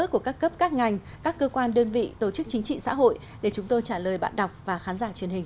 của các cấp các ngành các cơ quan đơn vị tổ chức chính trị xã hội để chúng tôi trả lời bạn đọc và khán giả truyền hình